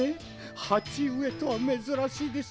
はちうえとはめずらしいです